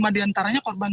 lima diantaranya korban yang